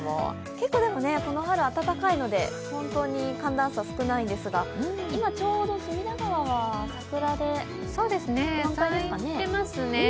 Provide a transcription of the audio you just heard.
結構、でもこの春、暖かいので本当に寒暖差少ないんですが今、ちょうど隅田川は桜が満開ですかね。